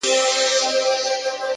زحمت د هیلو کښت خړوبوي,